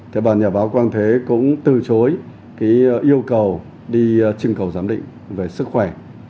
thế bà nhà báo quang thế cũng từ chối yêu cầu đi trừng cầu giám định về sức khỏe